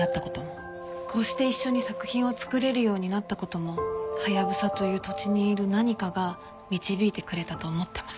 こうして一緒に作品を作れるようになった事もハヤブサという土地にいる何かが導いてくれたと思っています。